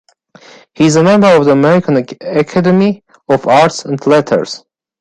He is a member of the American Academy of Arts and Letters.